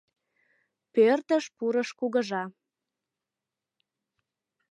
Пӧртыш пурыш кугыжа